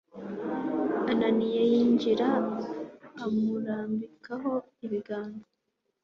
ananiya yinjira amurambikaho ibiganza